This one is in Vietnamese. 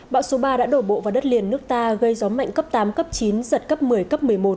bão số ba đã đổ bộ vào đất liền nước ta gây gió mạnh cấp tám cấp chín giật cấp một mươi cấp một mươi một